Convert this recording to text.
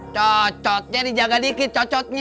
cocotnya dijaga dikit cocotnya